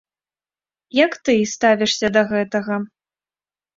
Як ты ставішся да гэтага?